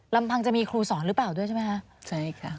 ลำพังจะมีครูสอนหรือเปล่าด้วยใช่ไหมคะใช่ค่ะ